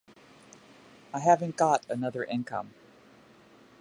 I haven't got another income.